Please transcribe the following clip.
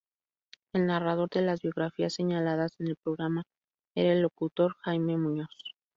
El narrador de las biografías señaladas en el programa era el locutor Jaime Muñoz.